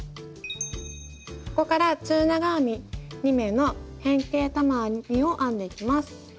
ここから中長編み２目の変形玉編みを編んでいきます。